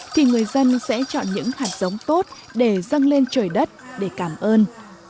thì người dân sẽ chọn những hạt giống tốt để dâng lên trời đất để cảm ơn